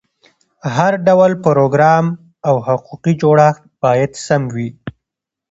هر ډول پروګرام او حقوقي جوړښت باید سم وي.